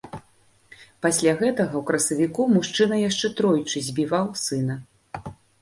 Пасля гэтага ў красавіку мужчына яшчэ тройчы збіваў сына.